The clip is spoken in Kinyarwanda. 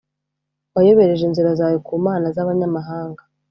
Wayobereje inzira zawe ku mana z’abanyamahanga